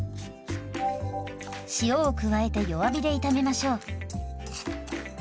塩を加えて弱火で炒めましょう。